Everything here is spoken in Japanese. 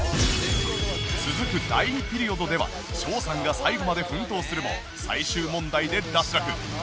続く第２ピリオドではショウさんが最後まで奮闘するも最終問題で脱落